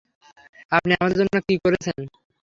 আপনি আমাদের জন্য কি করেছেন?